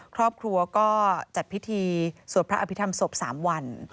ครอบครัวก็จัดพิธีสวดพระอภิษฐรรมศพ๓วัน